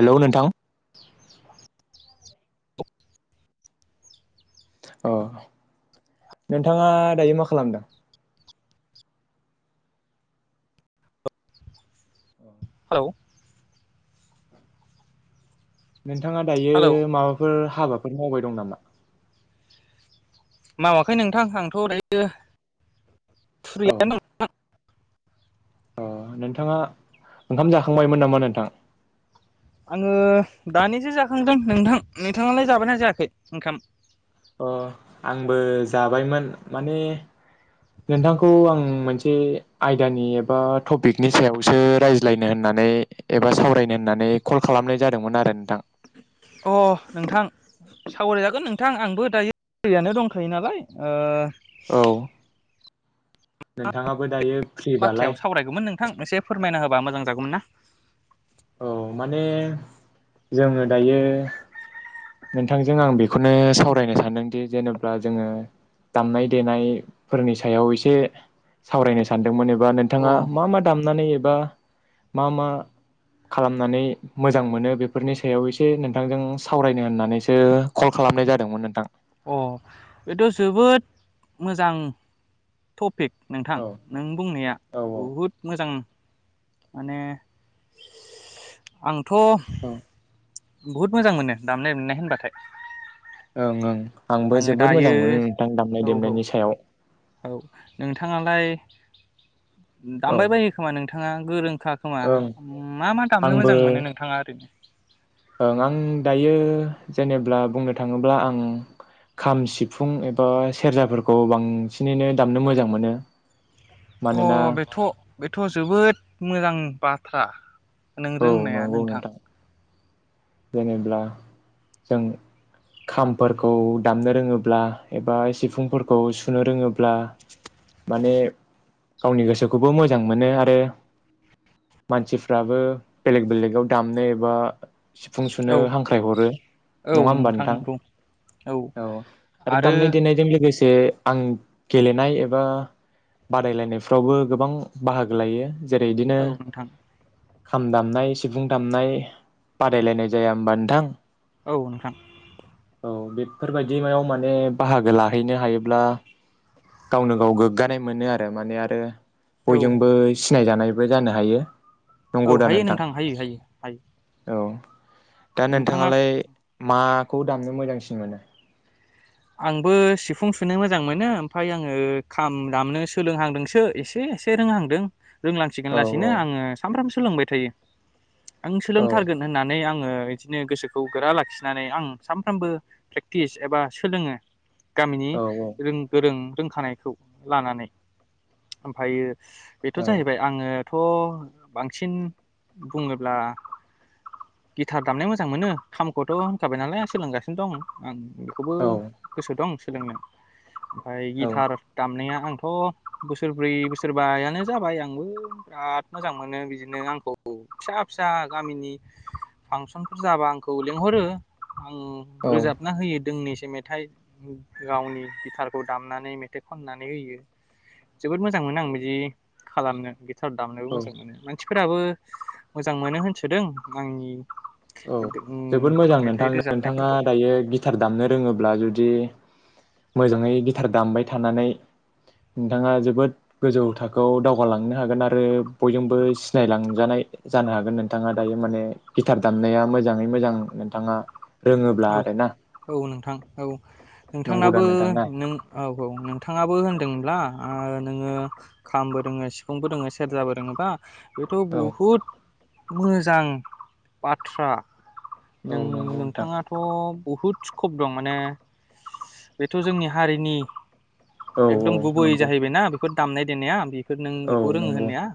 हेल' नोंथां अ नोंथाङा दायो मा खालामदों हेल' नोंथाङा दायो हेलौ माबाफोर हाबा हाफोर मावबाय दं नामा मावाखै नोंथां आंथ' दायो औ फ्रियैनो दं नोंथां अ नोंथाङा ओंखाम जाखांबायमोन नामा नोंथां आङो दानिसो जाखांदों नोंथां नोंथाङालाय जाबायना जायाखै ओंखाम अ आंबो जाबायमोन माने नोंथांखौ आं मोनसे आयदानि एबा टपिकनि सायावसो रायज्लायनो होननानै एबा सावरायनो होननानै कल खालामनाय जादोंमोन आरो नोंथां अ नोंथां सावरायजागोन नोंथां आंबो दायो फ्रियानो दंखायो नालाय औ नोंथाङाबो दायो फ्रिबालाय बाथ्रायाव सावरायगौमोन नों नोंथां एसे फोरमायना होबा मोजां जागौमोन ना औ माने जोङो दायो नोंथांजों आं बेखौनो सावरायनो सानदोंदि जेनेबा जोङो दामनाय देनायफोरनि सायाव एसे सावरायनो सानदों एबा अ नोंथाङा मा मा दामनानै मा मा खालामनानै मोजां मोनो बेफोरनि सायाव एसे नोंथांजों सावरायनो होननानैसो कल खालामनाय जादोंमोन नोंथां अ बेथ' जोबोद मोजां टपिक नोंथां औ नों बुंनाया औ बहुद मोजां माने आं थ' बहुद मोजां मोनो दामनाय देनाय होनबाथाय ओं ओं आंबो आङो जोबोद दायो मोजां मोनो नोंथां दामनाय औ औ देनायनि सायाव औ नोंथाङालाय औ दामबाय बायो खोमा नोंथाङा गोरोंखाआ खोमा ओं मा मा दामनो मोजां आंबो मोनो नोंथाङा ओरैनो ओं आं दायो जेनेब्ला बुंनो थाङोब्ला आं खाम सिफुं एबा सेरजाफोरखौ बांसिनैनो दामनो मोजां मोनो। अ मानोना बेथ' बेथ' जोबोद मोजां बाथ थ्रा नों औ रोंनाया नंगौ नोंथां। जेनेब्ला जों खामफोरखौ दामनो रोङोब्ला एबा सिफुंफोरखौ सुनो रोङोब्ला माने गावनि गोसोखौबो मोजां मोनो आरो मानसिफ्राबो बेलेग बेलेगाव दामनो एबा सिफुं सुनो औ हांख्राय हरो औ नङा होमबा नोंथां नंगौ औ आरो दामनाय-देनायजों लोगोसे जे आं गेलेनाय एबा बादायलायनायफ्रावबो गोबां बाहागो लायो। जेरै इदिनो औ नोंथां खाम दामनाय सिफुं दामनाय बादायलायनाय जाया होमबा नोंथां औ नोंथां औ बेफोरबादियाव माने बाहागो लाहैनो हायोब्ला गावनो-गाव गोग्गानाय मोनो आरो माने आरो औ बयजोंबो सि सिनायजानायबो जानो हायो। औ नंगौ दा हायो नोंथां हायो हायो हायो। औ दा नोंथाङा नोंथाङालाय माखौ दामनो मोजांसिन मोनो। आंबो सिफुं सुनो मोजां मोनो ओमफाय आङो खाम दामनो सोलोंहांदोंसो एसे एसे रोंहांदों। रोंलांसिगोन औ लासैनो औ आङो सानफ्रोम सोलोंबाय थायो। आं सोलोंथारगोन होननानै आं ओ इदिनो गोसोखौ गोरा लाखिनानै आं सामफ्रामबो प्रेक्टिस एबा सोलोङो। गामिनि औ रों गोरों रोंखानायखौ लानानै ओमफायो बेथ' औ जाहैबाय आङो थ' बांसिन बुङोब्ला गिटार दामनो मोजां मोनो खामखौथ' होनखाबाय नालाय सोलोंगासिनो दं आं। खौबो औ गोसो दं। सोलोंनो ओमफाय औ गिटार दामनाया आं आंथ' बोसोरब्रै बोसोरबायानो जाबाय आंबो बिराद मोजां मोनो बिदिनो आंखौ फिसा-फिसा गामिनि फांसनफोर जाबा आंखौ लिंहरो। आं औ रोजाबना होयो। दोंनैसो मेथाइ गावनि गिथारखौ दामनानै मेथाइ खननानै होयो। जोबोद मोजां मोनो आं बिदि खालामनो गिटार दामनोबो औ मोजां मोनो मानसि फोराबो मोजां मोनो होनसोदों आंनि औ उम जोबोद मोजां मेथाइ नोंथां नोंथाङा रोजाबनायफोरखौ दायो गि टार दामनो रोङोब्ला जुदि मोजाङै गिटार दामबाय थानानै नोंथाङा जोबोद गोजौ थाखोआव दावगालांनो हागोन आरो बयजोंबो सिनायलांजानाय जानो हागोन नोंथाङा दायो माने गिटार दामनाया मोजाङै मोजां नोंथाङा रोङोब्ला औ आरोना औ नोंथां औ नंगौ दा नोंथांनाबो नोंथां ना नों औ औ नोंथाङाबो होनदोंमोनब्ला ओ नोङो खामबो रोङो सिफुंबो रोङो सेरजाबो रोङोबा बेथ' औ बुहुत मोजां बाथ्रा। औ नों नंगौ नोंथां नोंथाङाथ' बुहुद स्कप दं माने बेथ' जोंनि हारिनि औ औ एकदम गुबै नंगौ जाहैबाय नाब फोर दामनाय देनाया बेब [unintelligible] नों औ बेखौ रोङो नंगौ होननाया।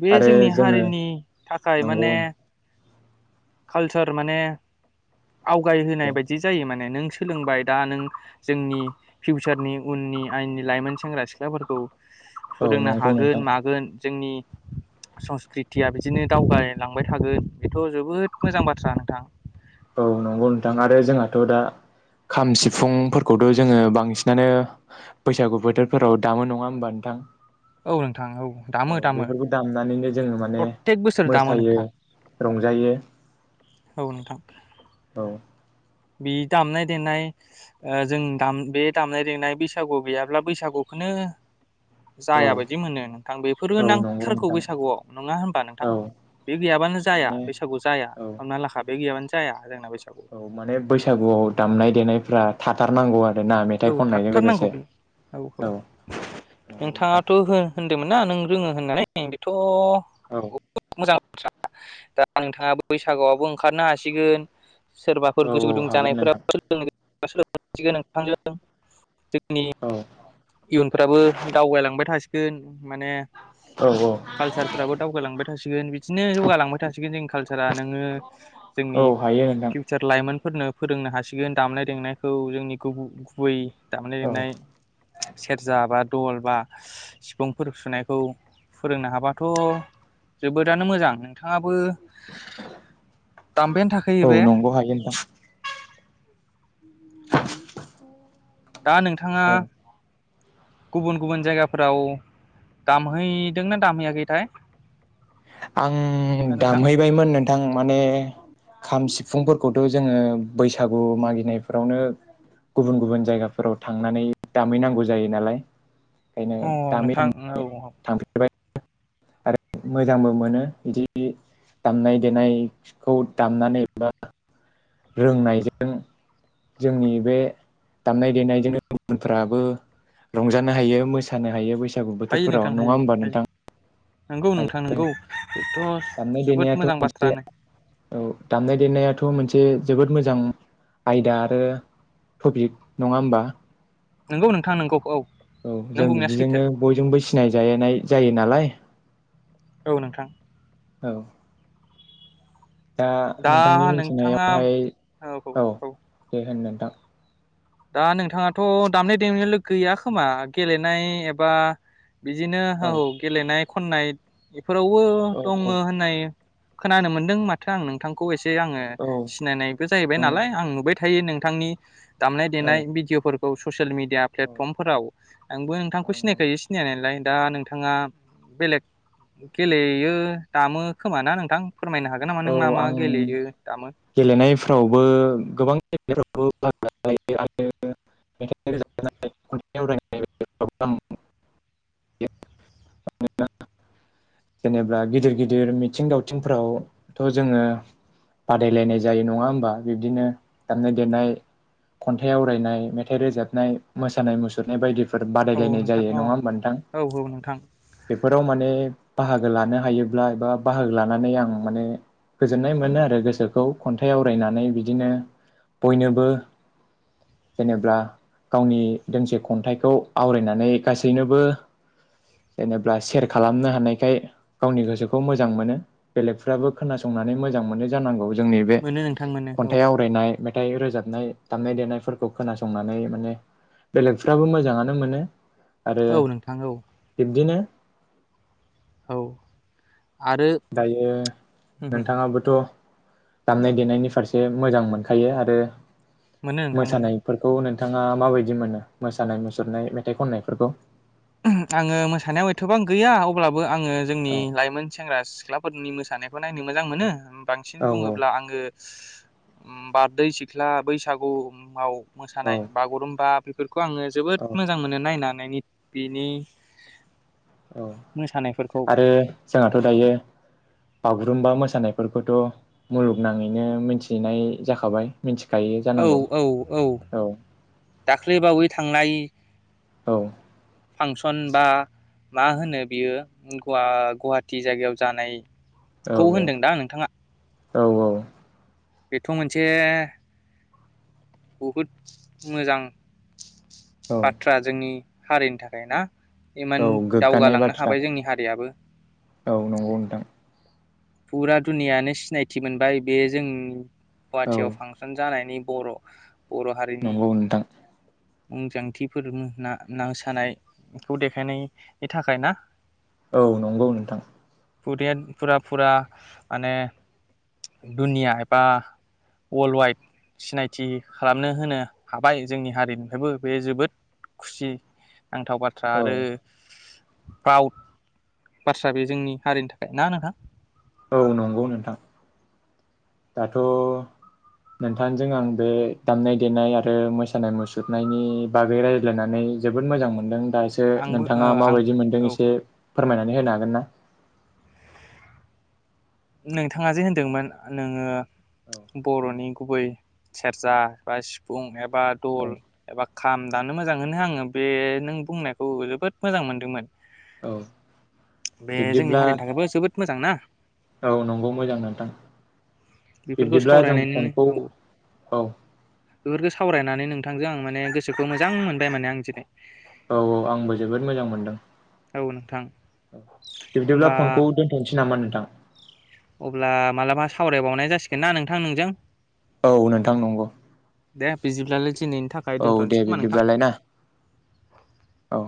बे आरो जोंनि जोङो हारिनि थाखाय नंगौ माने कालचार माने आवगाय औ होनोनाय बायदि जायो माने नों सोलोंबाय दा नों जोंनि फिउचारनि उननि आयेननि लाइमोन सेंग्रा सिख्लाफोरखौ औ फोरोंनो नंगौ हागोन नोंथां मागोन जोंनि संस्कृतिया बिदिनो दावगालांबाय थागोन बेथ' जोबोद मोजां बाथ्रा नोंथां। औ नंगौ नोंथां आरो जोंहाथ' दा खाम सिफुंफोरखौथ' जोङो बांसिनानो बैसागु बोथोरफोराव दामो नङा ओमबा नोंथां? औ नोंथां औ दामो दामो बेफोरखौ दामनानैनो जोङो माने प्रत्येक बोसोर दामो मोसायो नोंथां रंजायो। औ नोंथां। औ बि दामनाय देनाय ओ जों दाम बे दामनाय देनाय बैसागु गैयाब्ला बैसागुखोनो औ जाया बायदि मोनो नोंथां बेफोरो औ नंगौ नांथारगौ नोंथां बैसागुआव नङा होनबा नोंथां औ बि गैयाबानो जाया माने बैसागु जाया औ हमना लाखा बे गैयाबानो जा जाया। जोंना बैसागु औ माने बैसागुआव दामनाय देनायफ्रा थाथारनांगौ आर औ थारथारनांगौ बे औ औ नंगौ नोंथां नोंथाङाथ' हो-होनदोंमोन ना नों रोङो होननानै बेथ' औ [unintelligible] दा नोंथाङा बैसागुआवबो ओंखारनो हासिगोन। सोरबाफोर औ गोसो औ गुदुं हागोन जानायफोरा [unintelligible] नोंथां [unintelligible] थांजों औ [unintelligible] इयुनफ्राबो दावगायलांबाय थासिगोन। माने औ औ कालसारफोराबो दावगालांबाय थासिगोन। बिदिनो जौगालांबाय थासिगोन जोंनि कालसारा नोंङो जोंनि औ हायो नोंथां फिउचार लाइमोन फोरनो फोरोंनो हासिगोन दामनाय देनायखौ जोंनि गुबु गुबै दामनाय औ लेनाय सेरजा बा दल बा सिफुंफोर सुनायखौ फोरोंनो हाबाथ' जोबोदानो मोजां नोंथाङाबो दामबायानो थाखायो औ बे नंगौ हायो नोंथां। [unintelligible] दा नोंथाङा औ गुबुन गुबुन जायगाफोराव दामहैदोंना दामहैयाखैथाय? आं दा नोंथां दामहैबायमोन नोंथां माने खाम सि फुफुंफोरखौथ' जोंङो बैसागु मागिनायफोरावनो गुबुन गुबुन जायगाफोराव थांनानै दामहैनांगौ जायो नालाय। ओंखायनो अ दामि नोंथां थां औ औ थांफेरबाय। आरो मोजांबो मोनो बिदि दामनाय देनायखौ दामनानै एबा रोंनायजों जोंनि बे दामनाय देनायजोंनो गुबुनफोराबो रंजानो हायो मोसानो हायो बैस बैसागु हायो बोथोरफोराव नोंथां नङा हायो होमबा हायो नोंथाङा? नंगौ नोंथां नंगौ बेथ' दामनाय जोबोद देनायाथ' मोजां मोनसे बाथ्रा औ दामनाय देनायाथ' मोनसे जोबोद मोजां आयदा आरो टपिक नङा होमबा नोंगौ नोंथां नोंगौ औ औ नों जों बुंनाया सैथो बिदिजोंनो बयजोंबो सि सिनाय जायनाय जायो नालाय। औ नोंथां औ दा नोंथांनि मिथिनायावहाय औ दे होननों [unintelligible] दा नोंथाङाथ दामनाय देनायालाय गैया खोमा गेलेनाय एबा बिदिनो औ गेलेनाय खननाय फोरावबो औ दङ औ होननाय खोनानो मोनदों माथो आं नोंथांखौ एसे ए आंङो औ सिनायनायबो जाहैबाय नों नालाय आं नुबाय थायो नोंथांनि दामनाय औ देनाय भिडिअफोर औ ससेल मिद या औ प्लेटफर्मफोराव आंबो औ नोंथांखौ सिनायखायो सिनायनायालाय। दा नोंथाङा बेलेग गेलेयो दामो खोमा ना नोंथां? फोरमायनो हागोन नामा नों औ मा मा आं गेलेयो दामो? गेलेनायफ्रावबो गोबां खेब [unintelligible] [unintelligible] जेनेबा गिदिर गिदिर [unintelligible] मिथिं दावथिंफ्राव थ जोङो बादायलायनाय जायो नङा होमबा? बिब्दिनो दामनाय देनाय खन्थाइ आवरायनाय मेथाइ रोजाबनाय मोसानाय मुसुरनाय बायदिफो फोर औ बादायलायनाय नोंथां जायो अ नङा होमबा नोंथां? औ औ नोंथां बेफोराव माने बाहागो लानो हायोब्ला एबा बाहागो लानानै आं माने गोजोननाय मोनो आरो गोसोखौ खन्थाइ आवरायनानै, बिदिनो बयनोबो जेनेबा गावनि दोंसे खन्थाइखौ आवरायनानै गासैनोबो जेनेबा सेयार खालामनो हानायखाय गावनि गोसोखौ मोजां मोनो । बेलेगफ्राबो खोनासंनानै मोजां मोनो जानांगौ। जोंनि बे मोनो नोंथां मोनो औ खन्थाइ आवरायनाय। मेथाइ रोजाबनाय दामनाय देनायफोरखौ खोनासंनानै माने बेलेगफ्राबो मोजाङानो मोनो। आरो औ नोंथां औ बिब्दिनो। औ आरो दायो नोंथाङाबोथ दामनाय देनायनि फारसे मोजां मोनखायो आरो। मोनो नोंथां मोनो मोसानायफोरखौ नोन नोंथाङा माबायदि मोनो मोसानाय मुसुरनाय मेथाइ खननायफोरखौ? आङो मोसानायाव एथबां गैया अब्लाब बो आङो जोंनि औ लाइमोन सेंग्रा सिख्लाफोरनि मोस सानायखौ नायनो मोजां मोनो ओम बांसिन औ बुङोब्ला आङो। उम बारदै सिख्ला बैसागु उम आव। औ मोसानाय बागुरुम्बा बेफ खौ आङो जोबोद औ मोजां मोनो नायनानैनि बिनि। औ मोसानायफोरखौ आरो जोंहाथ दायो। बागुरुम्बा मोसानायफोरखौथ मुलुगनाङैनो मिथिनाय जाखाबाय। मिथिखायो औ जानांगौ औ औ दाख्लैबावै थांनाय औ। फांसन बा मा होनो बियो गुव-गुवाहाटि जायगायाव जानाय खौ होनदों दा नोंथाङा। औ औ। बेथ मोनसे। बहुद मोजां औ बाथ्रा जोंनि हारिनि थाखाय ना औ इमान गोग्गानाय दावगालांनो बाथ्रा हाबाय जोंनि हारियाबो। औ नंगौ नोंथां फुरा दुनियायानो सिनायथि मोनबाय बे जों औ गुवाहाटियाव फांसन जानायनि बर' बर' हारिनि नंगौ नोंथां। मुंदांथिफोर [unintelligible] मोसानायखौ देखायनायनि थाखाय ना? औ नंगौ नोंथां। [unintelligible] फुरा फुरा माने दुनिया एबा वर्ल्ड वाइड सिनायथि खालामनो होनो हाबाय जोंनि हारिनिफ्रायबो बे जोबोद खुसि नांथाव बाथ्रा औ आरो फ्राउद बाथ्रा बे जोंनि हारिनि थाखाय ना नोंथां? औ नंगौ नोंथां दाथ' नोंथांजों आं बे दामनाय देनाय आरो मोसानाय मुसुरनायनि बागै रायज्लायनानै जोबोद मोजां मोनदों । दा एसे आंबो ओ नोंथाङा आंबो माबायदि मोनदों औ एसे फोरमायना होनो हागोनना? नोंथाङा जे होनदोंमोन नोङो औ बर'नि गुबै सेरजा बा सिफुं एब एबा दल एबा खाम दानो मोजां होनो आङो बे नों बुंनायखौ जोबोद मोजां मोनदोंमोन। औ बे जोंनि बिब्दिब्ला हारिनि थाखायबो जोबोद मोजां ना? औ नंगौ मोजां नोंथां। बेफोरखौ बिब्दिब्ला जों फनखौ सावरायनानैनो औ औ। बेफोरखौ सावरायनानै नोंथांजों आं माने गोसोखौ मोजां मोनबाय माने आं दिनै। औ औ आंबो जोबोद मोजां मोनदों औ नोंथां। बिब्दिब्ला होमबा फनखौ दोन्थ'नोसै नामा नोंथां? अब्ला मालाबा सावरायबावनाय जासिगोन ना नोंथां नोंजों। औ नोंथां नंगौ दे बिदिब्लालाय दिनैनि थाखाय औ दे दोनथ'नोसै खोमा नोंथां बिब्दिबालाय ना औ।